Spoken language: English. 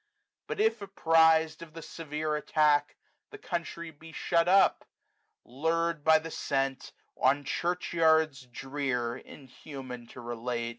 But if, apprized of the severe attack. The country be shut up ; lur*d by the scent. WINTER. 191 On church yards drear (inhuman to relate!)